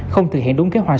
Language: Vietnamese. không thực hiện đúng kế hoạch